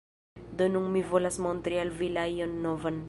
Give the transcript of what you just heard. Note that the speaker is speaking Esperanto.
Do nun mi volas montri al vi la ion novan.